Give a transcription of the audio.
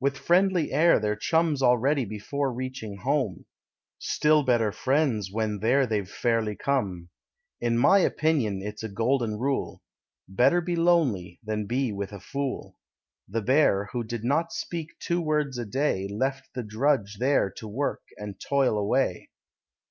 With friendly air They're chums already before reaching home; Still better friends when there they've fairly come. In my opinion it's a golden rule: Better be lonely than be with a fool. The Bear, who did not speak two words a day, Left the drudge there to work and toil away.